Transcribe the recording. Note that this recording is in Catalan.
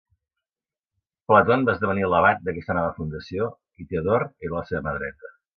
Platon va esdevenir l'abat d'aquesta nova fundació, i Theodore era la seva mà dreta.